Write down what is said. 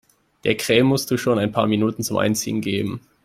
Der Creme musst du schon ein paar Minuten zum Einziehen geben.